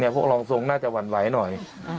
พวกรองทรงน่าจะหวั่นไหวหน่อย